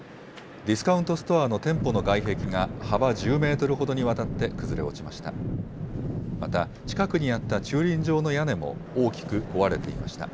ディスカウントストアの店舗の外壁が幅１０メートルほどにわたって崩れ落ちました。